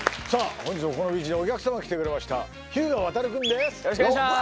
本日もこのビーチにお客様が来てくれました日向亘君です